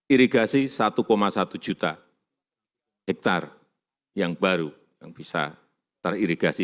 irigasi satu satu juta hektare yang baru yang bisa teririgasi